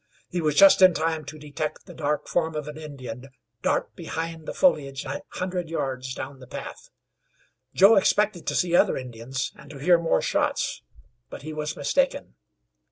He was just in time to detect the dark form of an Indian dart behind the foliage an hundred yards down the path. Joe expected to see other Indians, and to hear more shots, but he was mistaken.